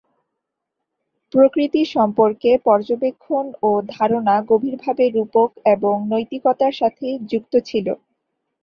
প্রকৃতি সম্পর্কে পর্যবেক্ষণ ও ধারণা গভীরভাবে রূপক এবং নৈতিকতার সাথে যুক্ত ছিল।